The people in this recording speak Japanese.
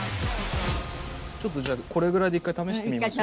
ちょっとじゃあこれぐらいで１回試してみましょうか。